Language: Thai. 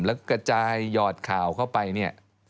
แล้วกระจายหยอดข่าวเข้าไปเนี่ย